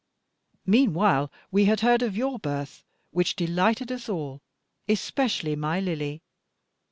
Meanwhile we had heard of your birth, which delighted us all, especially my Lily.